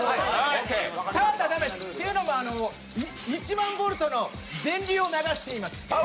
触ったら駄目です、というのも１万ボルトの電流を流しています。